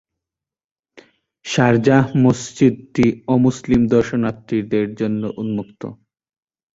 Sharjah মসজিদটি অমুসলিম দর্শনার্থীদের জন্য উন্মুক্ত।